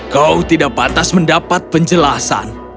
kau tidak patah mendapat penjelasan